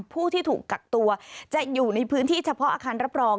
ผู้ที่ถูกกักตัวจะอยู่ในพื้นที่เฉพาะอาคารรับรอง